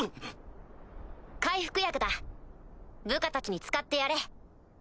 回復薬だ部下たちに使ってやれ。